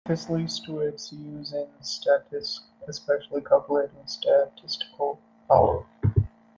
This leads to its use in statistics, especially calculating statistical power.